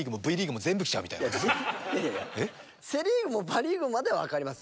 セ・リーグとパ・リーグまでは分かります。